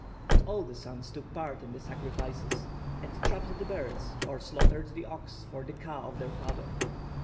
But all the sons took part in the sacrifices, and trapped the birds (Medum, x, xiii), or slaughtered the ox for the ka of their father.